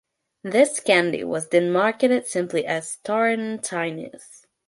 This candy was then marketed simply as Tart n Tinys.